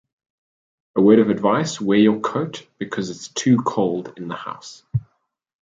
A word of advice, wear your coat because it's too cold in the house.